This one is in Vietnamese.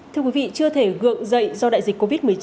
thưa quý vị chưa thể gượng dậy do đại dịch covid một mươi chín